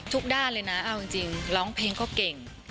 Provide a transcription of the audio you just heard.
ด้านเลยนะเอาจริงร้องเพลงก็เก่ง